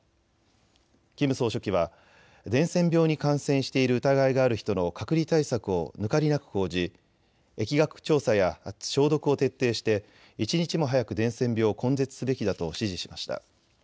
キム総書記は伝染病に感染している疑いがある人の隔離対策を抜かりなく講じ疫学調査や消毒を徹底して一日も早く伝染病を根絶すべきだと指示しました。